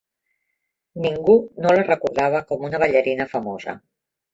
Ningú no la recordava com una ballarina famosa.